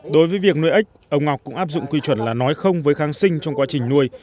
đối với việc nuôi ếch ông ngọc cũng áp dụng quy chuẩn là nói không với kháng sinh trong quá trình nuôi